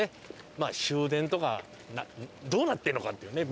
まあ終電とかどうなってんのかっていうのね